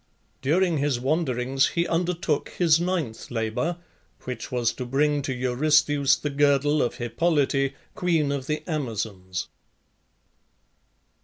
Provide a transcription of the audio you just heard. During his wanderings he undertook his ninth labour, which was to bring to Eurystheus the girdle of Hippolyte, queen of the Amazons.